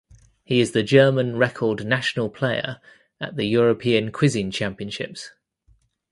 He is the German record national player at the European Quizzing Championships.